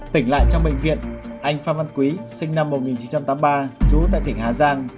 tỉnh lại trong bệnh viện anh phan văn quý sinh năm một nghìn chín trăm tám mươi ba trú tại tỉnh hà giang